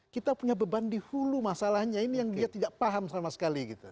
kita punya beban di hulu masalahnya ini yang dia tidak paham sama sekali gitu